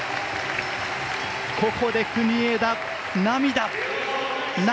ここで国枝、涙。